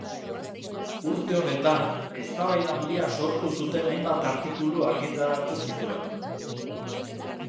Urte honetan, eztabaida handia sortu zuten hainbat artikulu argitaratu zituen.